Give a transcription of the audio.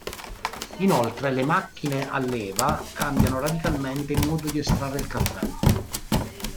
Inoltre le macchine a leva cambiano radicalmente il modo di estrarre il caffè.